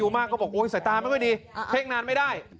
มากก็บอกโอ้ยสายตาไม่ค่อยดีเพ่งนานไม่ได้